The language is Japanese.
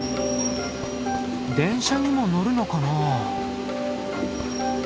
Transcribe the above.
電車にも乗るのかな？